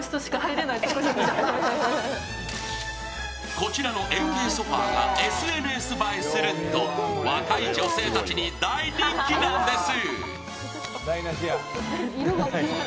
こちらの円形ソファーがＳＮＳ映えすると若い女性たちに大人気なんです。